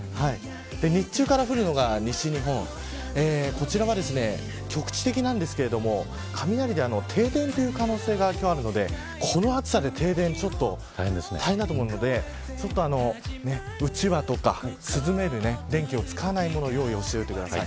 日中から降るのが西日本こちらは局地的なんですが雷で停電という可能性があるのでこの暑さで停電はちょっと大変だと思うのでうちわとか涼める電気を使わないものを用意をしておいてください。